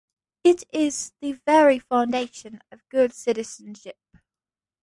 It is the very foundation of good citizenship.